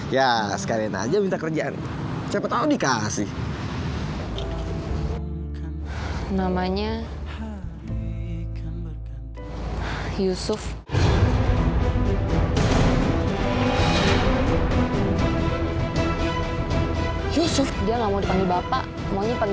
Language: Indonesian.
ya sekalian aja minta kerjaan siapa tahu dikasih namanya yusuf yusuf dia ngomongin bapak mau nyepan